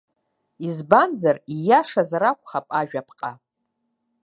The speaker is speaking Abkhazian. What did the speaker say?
Избанзар, ииашазар акәхап ажәаԥҟа.